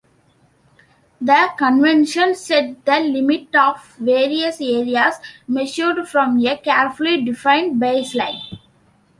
The convention set the limit of various areas, measured from a carefully defined baseline.